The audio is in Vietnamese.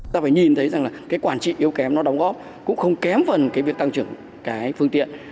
ta phải nhìn thấy rằng là cái quản trị yếu kém nó đóng góp cũng không kém phần cái việc tăng trưởng cái phương tiện